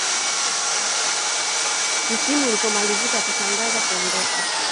msimu ulipomalizika akatangaza kuondoka